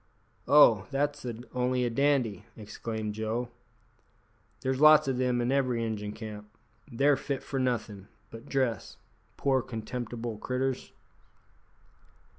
"Oh! that's only a dandy," exclaimed Joe. "There's lots o' them in every Injun camp. They're fit for nothin' but dress, poor contemptible critters."